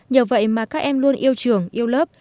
nhờ vậy mà các em luôn yêu trường yêu lớp